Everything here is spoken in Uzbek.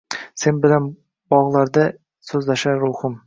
Sen bilan bog’larda so’zlashar ruhim.